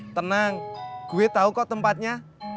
tenang gue tahu kok tempatnya